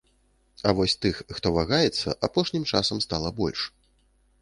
А вось тых, хто вагаецца, апошнім часам стала больш.